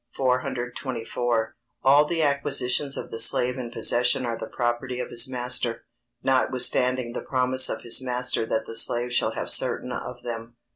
424.] All the acquisitions of the slave in possession are the property of his master, notwithstanding the promise of his master that the slave shall have certain of them.